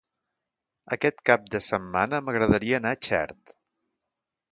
Aquest cap de setmana m'agradaria anar a Xert.